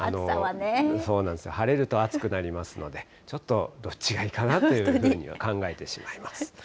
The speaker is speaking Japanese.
そうなんです、晴れると暑くなりますので、ちょっとどっちがいいかなというふうには考えてしまいます。